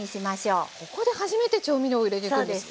ここで初めて調味料を入れていくんですね。